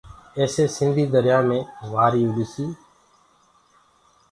ايسي سنڌيٚ دريآ مي وآريٚ اُڏسيٚ ڪر